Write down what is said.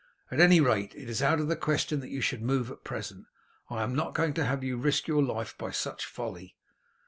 At any rate, it is out of the question that you should move at present. I am not going to have you risk your life by such folly."